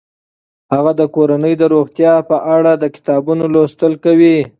هغه د کورنۍ د روغتیا په اړه د کتابونو لوستل کوي.